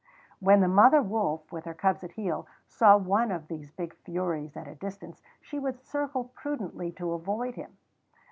When the mother wolf, with her cubs at heel, saw one of these big furies at a distance she would circle prudently to avoid him.